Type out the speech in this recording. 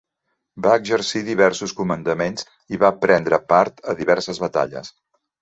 Va exercir diversos comandaments i va prendre part a diverses batalles.